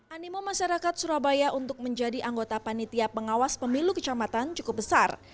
animo masyarakat surabaya untuk menjadi anggota panitia pengawas pemilu kecamatan cukup besar